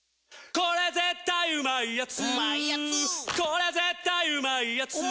これ絶対うまいやつ」